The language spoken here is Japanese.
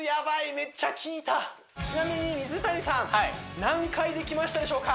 めっちゃきいたちなみに水谷さん何回できましたでしょうか？